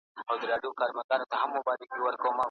د ګودامونو شرایط باید معیاري وي.